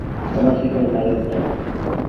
আমার সেখানে নাড়ির টান।